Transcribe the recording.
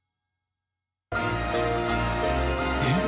えっ？